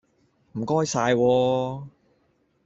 唔該晒喎